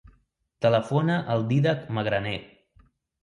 Telefona al Dídac Magraner.